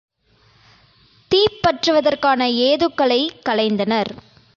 தீப்பற்றுவதற்கான ஏதுக்களைக் களைந்தனர்.